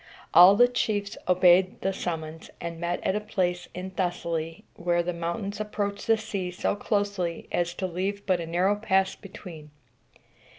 All the chiefs obeyed the summons, and met at a place in Thessaly where the mountains approach the sea so closely as to leave but a narrow pass between.